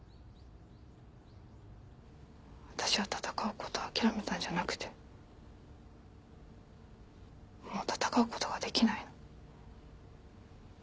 私は闘うことを諦めたんじゃなくてもう闘うことができないの。